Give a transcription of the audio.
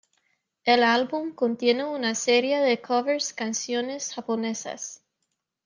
El álbum contiene una serie de covers canciones japonesas.